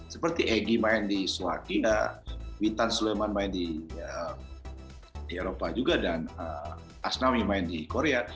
seperti egy main di swakina witan suleman main di eropa juga dan asnawi main di korea